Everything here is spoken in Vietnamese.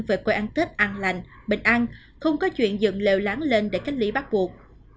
về quê ăn tết an lành bình an không có chuyện dựng lều láng lên để cách ly bắt buộc